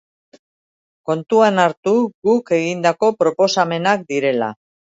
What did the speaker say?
Kontuan hartu guk egindako proposamenak direla.